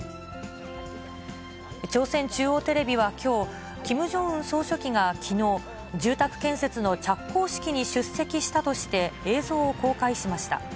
朝鮮中央テレビはきょう、キム・ジョンウン総書記がきのう、住宅建設の着工式に出席したとして、映像を公開しました。